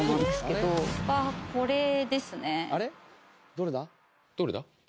どれだ？